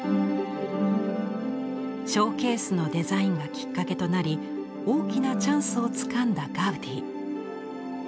ショーケースのデザインがきっかけとなり大きなチャンスをつかんだガウディ。